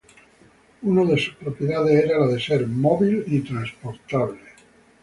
Una de sus propiedades era la de ser móvil y transportable.